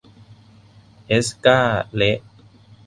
เอสก้า เละ